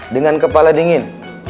dengan kepala dingin